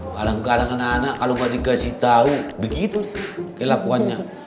kadang kadang anak anak kalau gak dikasih tahu begitu sih kayak lakuannya